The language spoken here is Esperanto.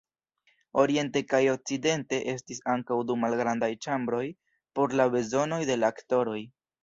Oriente kaj okcidente estis ankaŭ du malgrandaj ĉambroj por la bezonoj de la aktoroj.